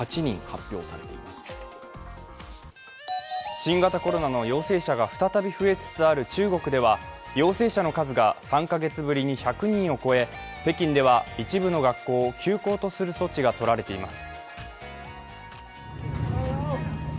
新型コロナの陽性者が再び増えつつある中国では陽性者の数が３カ月ぶりに１００人を超え北京では一部の学校を休校とする措置がとられています。